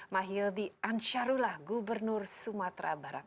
mahyildi ansarullah gubernur sumatera barat